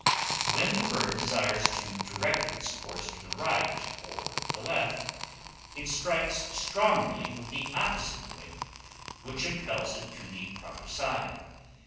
When the bird desires to direct its course to the right or the left, it strikes strongly with the opposite wing, which impels it to the proper side.